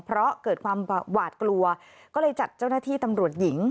เพราะเกิดความหวาดกลัวก็เลยจัดเจ้าหน้าที่ตำรวจหญิง